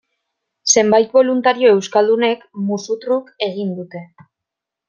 Zenbait boluntario euskaldunek, musu truk, egin dute.